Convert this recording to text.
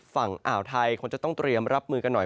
ฝั่งอ่าวไทยคงจะต้องเตรียมรับมือกันหน่อย